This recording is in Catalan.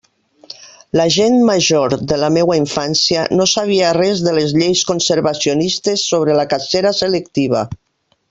La gent major de la meua infància no sabia res de les lleis conservacionistes sobre la cacera selectiva.